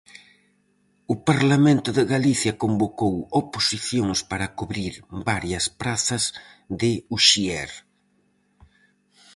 O Parlamento de Galicia convocou oposicións para cubrir varias prazas de uxier.